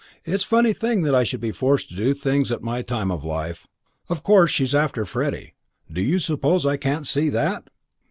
"It's a funny thing that I should be forced to do things at my time of life. Of course she's after Freddie. Do you suppose I can't see that?"